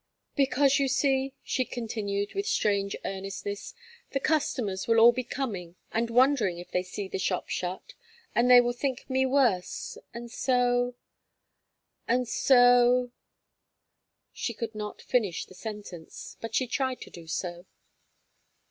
"Because you see," she continued with strange earnestness, "the customers will all be coming and wondering if they see the shop shut; and they will think me worse, and so and so " She could not finish the sentence, but she tried to do so.